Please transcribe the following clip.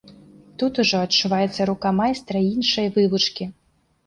Тут ужо адчуваецца рука майстра іншай вывучкі.